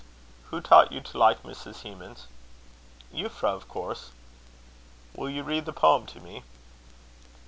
"Who taught you to like Mrs. Hemans?" "Euphra, of course." "Will you read the poem to me?"